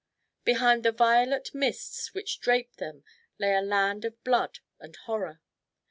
Behind the violet mists which draped them lay a land of blood and horror.